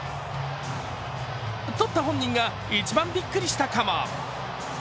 とった本人が一番びっくりしたかも。